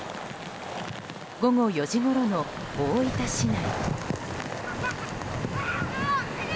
午後４時ごろの大分市内。